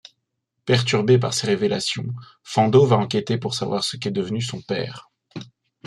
Perturbé par ces révélations, Fando va enquêter pour savoir ce qu’est devenu son père.